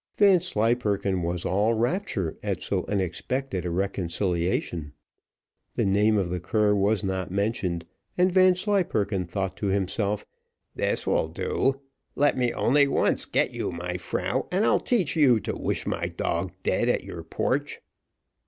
Vanslyperken was all rapture at so unexpected a reconciliation; the name of the cur was not mentioned, and Vanslyperken thought to himself, "This will do, let me only once get you, my Frau, and I'll teach you to wish my dog dead at your porch."